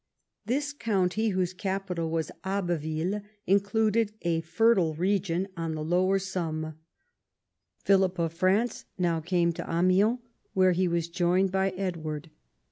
This county, whose capital Avas Abbeville, included a fertile region on the lower Somme. Philip of France now came to Amiens, where he was joined by Edward.